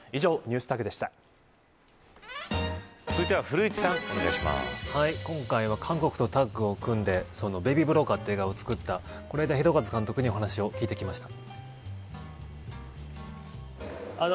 続いては今回は韓国とタッグを組んでベイビー・ブローカーという映画を作った是枝裕和監督にお話を聞いてきました。